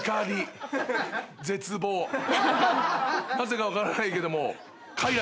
なぜか分からないけども。